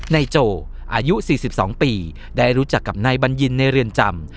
นายโจอายุ๔๒ปีได้รู้จักกับนายบัญญินในเรือนจำ